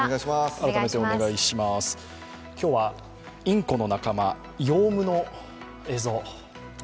今日はインコの仲間、ヨウムの映像。